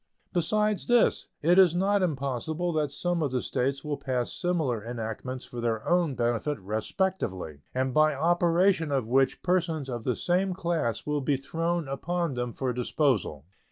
Besides this, it is not impossible that some of the States will pass similar enactments for their own benefit respectively, and by operation of which persons of the same class will be thrown upon them for disposal.